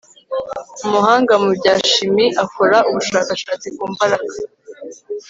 Umuhanga mu bya shimi akora ubushakashatsi ku mbaraga